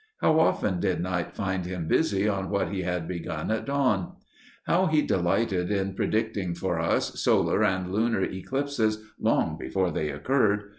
How often did night find him busy on what he had begun at dawn! How he delighted in predicting for us solar and lunar eclipses long before they occurred!